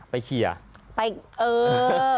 ไปเคลียร์